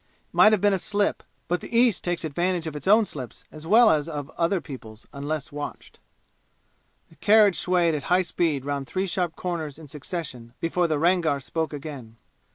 It might have been a slip, but the East takes advantage of its own slips as well as of other peoples' unless watched. The carriage swayed at high speed round three sharp corners in succession before the Rangar spoke again.